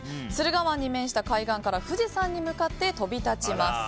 駿河湾に面した海岸から富士山に向かって飛び立ちます。